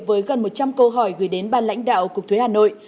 với gần một trăm linh câu hỏi gửi đến ban lãnh đạo cục thuế hà nội